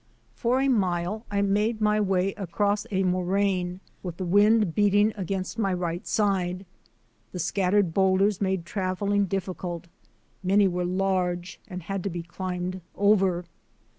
For a mile I made my way across a moraine with the wind beating against my right side. The scattered boulders made travelling difficult; many were large and had to be climbed over.